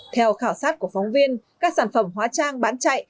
theo khảo sát của phóng viên các sản phẩm hóa trang bán chạy